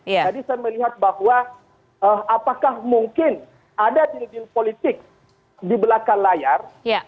jadi saya melihat bahwa apakah mungkin ada dinijil politik di belakang layar